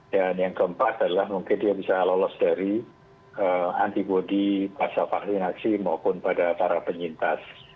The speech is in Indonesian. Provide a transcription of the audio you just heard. dan yang keempat adalah mungkin dia bisa lolos dari antibody pasca vaksinasi maupun pada para penyintas